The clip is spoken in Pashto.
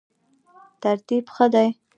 ترتیب ښه دی.